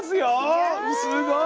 すごい！